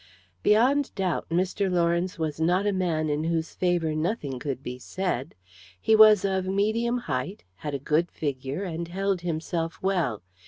Beyond doubt Mr. Lawrence was not a man in whose favour nothing could be said. He was of medium height, had a good figure, and held himself well.